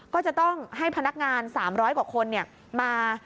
ก็จะต้องให้พนักงาน๓๐๐กว่าคนมา